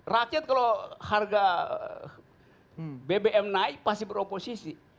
rakyat kalau harga bbm naik pasti beroposisi